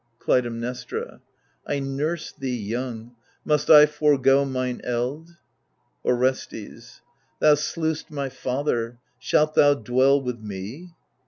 Clytemnestra I nursed thee young ; must I forego mine eld ? Orestes Thou slew'st my father ; shalt thou dwell with me